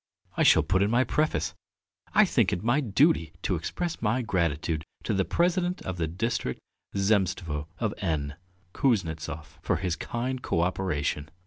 I shall put in my preface: 'I think it my duty to express my gratitude to the President of the District Zemstvo of N , Kuznetsov, for his kind co operation.'